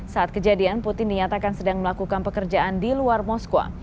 saat kejadian putin dinyatakan sedang melakukan pekerjaan di luar moskwa